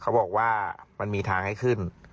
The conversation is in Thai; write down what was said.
เขาบอกว่ามันมีทางให้ขึ้น